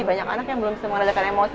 banyak anak yang belum bisa mengatakan emosi